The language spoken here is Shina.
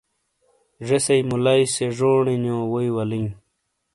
زیسئی مُلائی سے جونڈی نیو ووئی ولیں